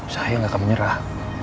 saya gak akan menyerah